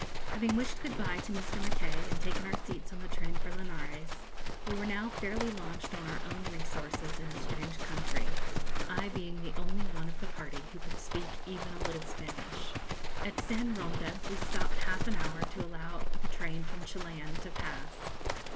Having wished good bye to Mr. Mackay, and taken our seats in the train for Linares, we were now fairly launched on our own resources in a strange country, I being the only one of the party who could speak even a little Spanish. At San Romde we stopped half an hour to allow the train from Chilian to pass.